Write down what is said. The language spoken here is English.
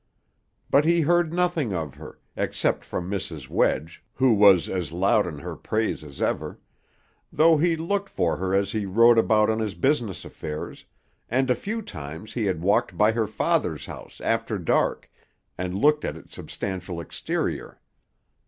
But he heard nothing of her, except from Mrs. Wedge, who was as loud in her praise as ever; though he looked for her as he rode about on his business affairs, and a few times he had walked by her father's house, after dark, and looked at its substantial exterior.